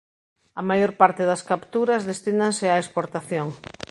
A maior parte das capturas destínanse á exportación.